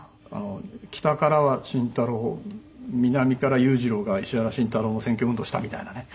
北からは慎太郎南から裕次郎が石原慎太郎の選挙運動したみたいなね